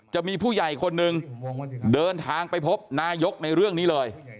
จะมีผู้ใหญ่คนหนึ่งเดินทางไปพบนายกในเรื่องนี้เลย